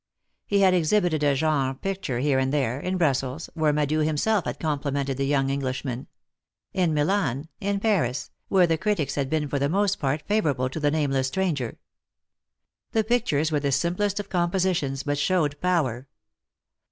He had exhibited a genre picture here and there: in Brussels, where Madou himself had complimented the young English man; in Milan; in Paris, where the critics had been for the most part favourable to the nameless stranger. The pictures were the simplest of compositions, but showed power.